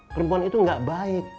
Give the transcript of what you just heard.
perempuan itu ga baik